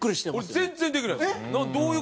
俺全然できないですもん。